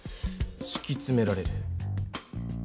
しきつめられる。